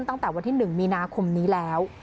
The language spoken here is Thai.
ตั้งแต่วันที่๑มีนาคมนี้แล้ว